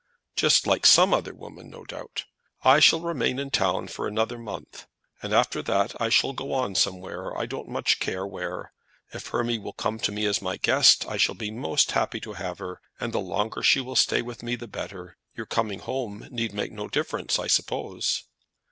"Just like some other women, no doubt. I shall remain in town for another month, and after that I shall go somewhere; I don't much care where. If Hermy will come to me as my guest I shall be most happy to have her. And the longer she will stay with me the better. Your coming home need make no difference, I suppose."